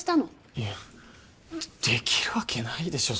いやできるわけないでしょ